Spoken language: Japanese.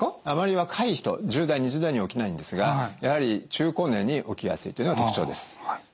あまり若い人１０代２０代には起きないんですがやはり中高年に起きやすいっていうのが特徴です。